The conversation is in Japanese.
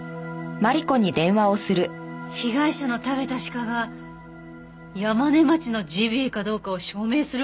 被害者の食べた鹿が山子町のジビエかどうかを証明する方法？